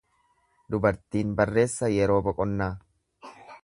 Dubartiin barreessa yeroo boqonnaa.